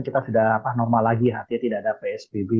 kita sudah normal lagi artinya tidak ada psbb